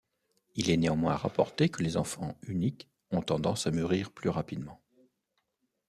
Il est néanmoins rapporté que les enfants uniques ont tendance à mûrir plus rapidement.